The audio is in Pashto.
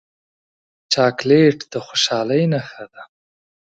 چاکلېټ د خوشحالۍ نښه ده.